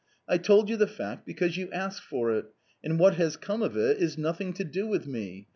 I told you the fact because you ask for it ; and what has come of it is nothing to do with me.